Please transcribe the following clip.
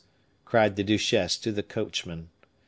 cried the duchesse to the coachman.